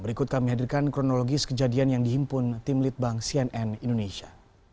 berikut kami hadirkan kronologis kejadian yang dihimpun tim litbang cnn indonesia